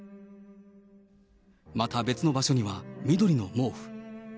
また別の場所には、緑の毛布。